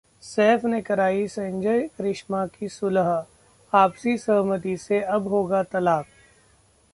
सैफ ने कराई संजय-करिश्मा की सुलह! आपसी सहमति से अब होगा तलाक